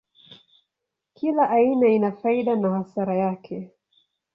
Kila aina ina faida na hasara yake.